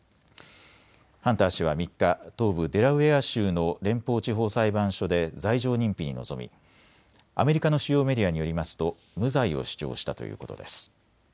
ハンター氏は３日、東部デラウェア州の連邦地方裁判所で罪状認否に臨みアメリカの主要メディアによりますと無罪を主張したということです。